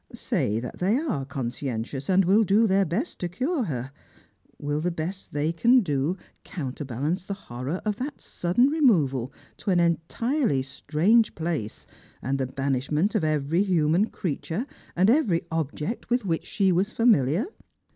Say that they are conscientious and will do their best to cure her, will the best they can do counterbalance the horror of that sudden removal to an entirely strange place, and the banishment of every human creature and every object with which she was familiar